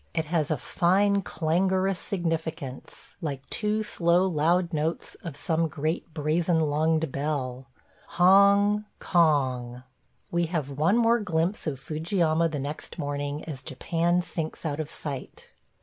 It has a fine clangorous significance, like two slow loud notes of some great brazen lunged bell. ... Hong – Kong! We have one more glimpse of Fujiyama the next morning as Japan sinks out of sight.